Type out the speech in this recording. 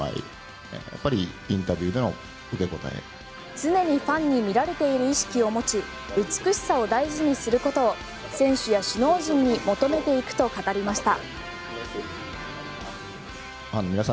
常にファンに見られている意識を持ち美しさを大事にすることを選手や首脳陣に求めていくと語りました。